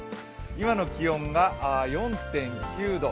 今の気温が４．９度。